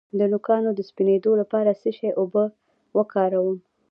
د نوکانو د سپینیدو لپاره د څه شي اوبه وکاروم؟